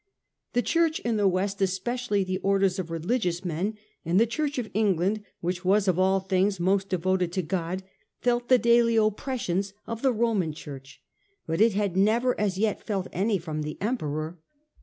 The Church in the West, especially the orders of religious men, and the Church of England which was of all others most devoted to God, felt the daily oppressions of the Roman Church, but it had never as yet felt any from the Emperor.